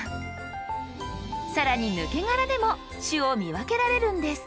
更にぬけ殻でも種を見分けられるんです。